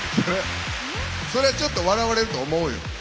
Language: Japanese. そりゃ、ちょっと笑われると思うよ。